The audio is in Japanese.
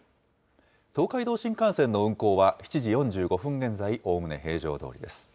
東海道新幹線の運行は７時４５分現在、おおむね平常どおりです。